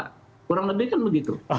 kurang lebih kan begitu